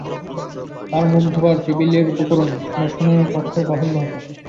তার মুখ-ধোবার টেবিলের উপকরণ দশাননের পক্ষেও বাহুল্য হত।